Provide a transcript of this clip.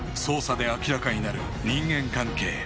捜査で明らかになる人間関係